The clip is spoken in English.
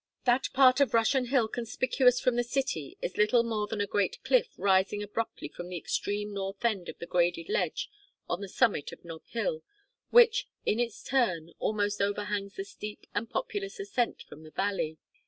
That part of Russian Hill conspicuous from the city is little more than a great cliff rising abruptly from the extreme north end of the graded ledge on the summit of Nob Hill, which, in its turn, almost overhangs the steep and populous ascent from the valley.